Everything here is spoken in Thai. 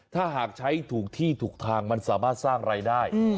ถ้าหากใช้ถูกที่ถูกทางมันสามารถสร้างรายได้